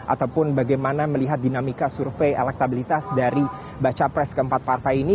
ataupun bagaimana melihat dinamika survei elektabilitas dari baca pres keempat partai ini